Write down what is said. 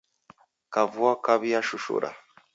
Kavua kaw'iashushura.